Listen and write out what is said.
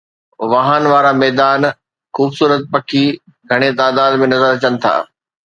واهڻ وارا ميدان، خوبصورت پکي گهڻي تعداد ۾ نظر اچن ٿا.